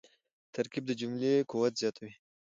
ترکیب د جملې قوت زیاتوي.